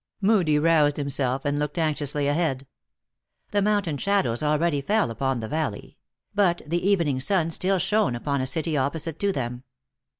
Moodie roused himself, and looked anxiously ahead. The mountain shadows already fell upon the valley ; but the evening sun still shone upon a city opposite to them.